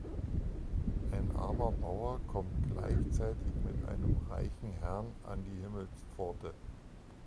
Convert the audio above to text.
Ein armer Bauer kommt gleichzeitig mit einem reichen Herrn an die Himmelspforte.